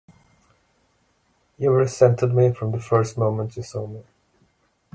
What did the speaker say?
You've resented me from the first moment you saw me!